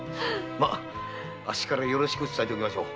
あっしからよろしくお伝えしておきましょう。